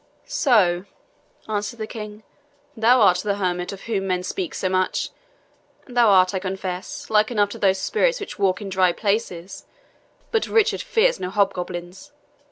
"So," answered the King, "thou art that hermit of whom men speak so much? Thou art, I confess, like enough to those spirits which walk in dry places; but Richard fears no hobgoblins.